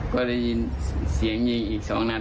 ก็ได้ยินเสียงยิงอีก๒นัด